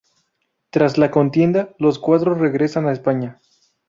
Tras la contienda los cuadros regresaron a España.